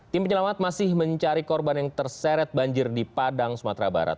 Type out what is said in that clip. tim penyelamat masih mencari korban yang terseret banjir di padang sumatera barat